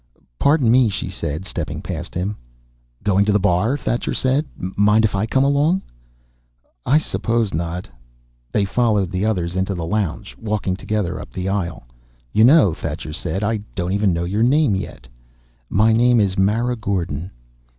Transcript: "Pardon me," she said, stepping past him. "Going to the bar?" Thacher said. "Mind if I come along?" "I suppose not." They followed the others into the lounge, walking together up the aisle. "You know," Thacher said, "I don't even know your name, yet." "My name is Mara Gordon."